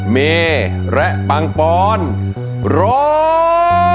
เมและปังปอนร้อง